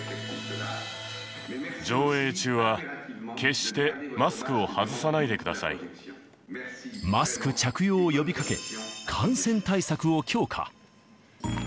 上映中は決してマスクを外さマスク着用を呼びかけ、感染対策を強化。